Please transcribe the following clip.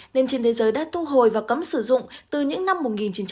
nên trên thế giới đã thu hồi và cấm sử dụng từ những năm một nghìn chín trăm bảy mươi